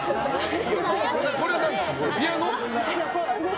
これは何ですか？